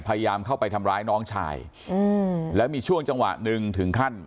พยายามเข้าไปทำร้ายน้องชายอืมแล้วมีช่วงจังหวะหนึ่งถึงขั้น